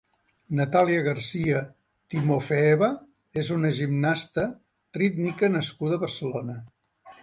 Natalia García Timofeeva és una gimnasta rítmica nascuda a Barcelona.